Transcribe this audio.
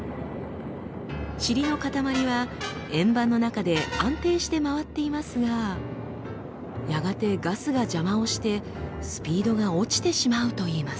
チリのかたまりは円盤の中で安定して回っていますがやがてガスが邪魔をしてスピードが落ちてしまうといいます。